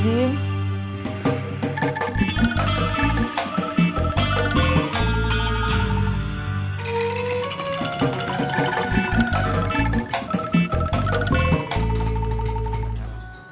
rakyat yang ilknya